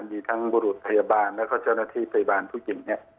มีทั้งกุฏรุตพยาบาลแล้วก็เจ้านาที่พยาบาลผู้หญิง